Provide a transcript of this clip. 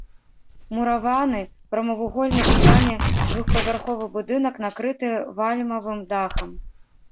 Мураваны, прамавугольны ў плане двухпавярховы будынак накрыты вальмавым дахам.